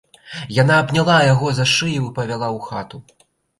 Яна абняла яго за шыю і павяла ў хату.